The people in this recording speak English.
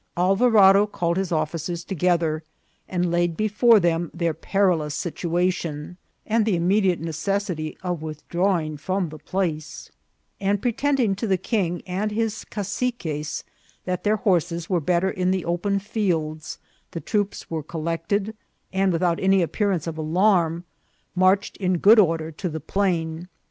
Alvarado called his offi cers together, and laid before them their perilous situa tion, and the immediate necessity of withdrawing from the place ; and pretending to the king and his ca ciques that their horses were better in the open fields, the troops were collected, and without any appearance of alarm, marched in good order to the plain.